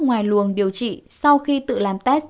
ngoài luồng điều trị sau khi tự làm test